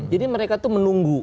jadi mereka itu menunggu